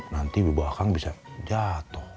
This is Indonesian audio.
nanti bibawah akan bisa jatuh